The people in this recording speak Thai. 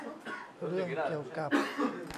เรื่องเกี่ยวกับ